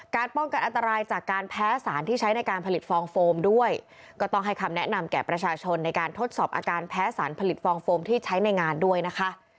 ป้องกันอันตรายจากการแพ้สารที่ใช้ในการผลิตฟองโฟมด้วยก็ต้องให้คำแนะนำแก่ประชาชนในการทดสอบอาการแพ้สารผลิตฟองโฟมที่ใช้ในงานด้วยนะคะ